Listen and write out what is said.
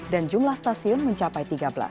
dan jumlah stasiun mencapai tiga belas